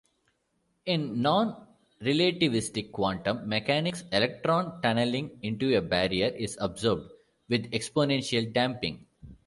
In nonrelativistic quantum mechanics, electron tunneling into a barrier is observed, with exponential damping.